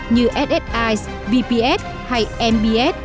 như ssi vps hay mbs